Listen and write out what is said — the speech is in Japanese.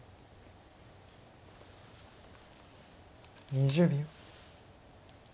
２０秒。